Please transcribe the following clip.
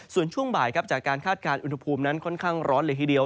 ส่วนช่วงบ่ายจากการคาดการณ์อุณหภูมินั้นค่อนข้างร้อนเลยทีเดียว